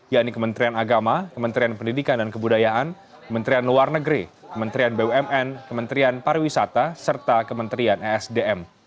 yaitu kementerian agama kementerian pendidikan dan kebudayaan kementerian luar negeri kementerian bumn kementerian pariwisata serta kementerian esdm